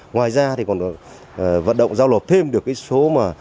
ngoài ra thì còn vận động giao nổ thêm được số súng săn